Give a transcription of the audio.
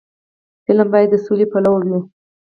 فلم باید د سولې پلوي وي